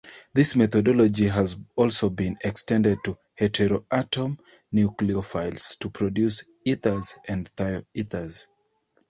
This methodology has also been extended to heteroatom nucleophiles to produce ethers and thioethers.